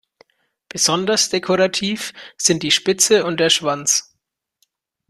Besonders dekorativ sind die Spitze und der Schwanz.